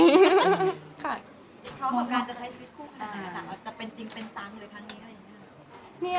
ว่าการจะใช้ชีวิตผู้คนในหมดทางจะเป็นจริงเป็นจังยังไง